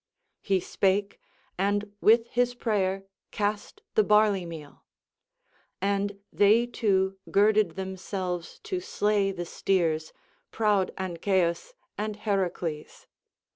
He spake, and with his prayer cast the barley meal. And they two girded themselves to slay the steers, proud Ancaeus and Heracles.